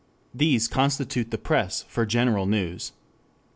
These constitute the press for "general news."